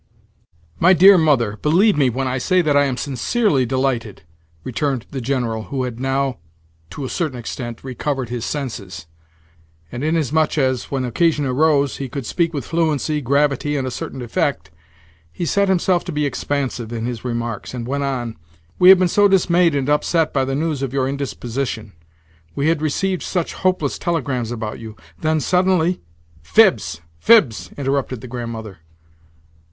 "My dear mother, believe me when I say that I am sincerely delighted," returned the General, who had now, to a certain extent, recovered his senses; and inasmuch as, when occasion arose, he could speak with fluency, gravity, and a certain effect, he set himself to be expansive in his remarks, and went on: "We have been so dismayed and upset by the news of your indisposition! We had received such hopeless telegrams about you! Then suddenly—" "Fibs, fibs!" interrupted the Grandmother.